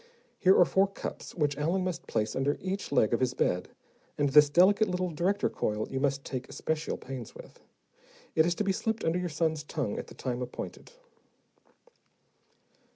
Here are four cups which Allen must place under each leg of his bed, and this delicate little director coil you must take especial pains with. It is to be slipped under your son's tongue at the time appointed."